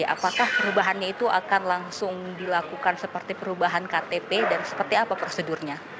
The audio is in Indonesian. apakah perubahannya itu akan langsung dilakukan seperti perubahan ktp dan seperti apa prosedurnya